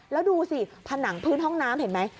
แล้วดูสิผนังพื้นห้องน้ำเห็นไหม